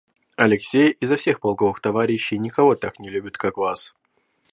Алексей изо всех полковых товарищей никого так не любит, как вас.